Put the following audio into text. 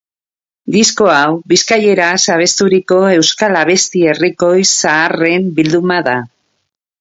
Disko hau bizkaieraz abesturiko euskal abesti herrikoi zaharren bilduma da.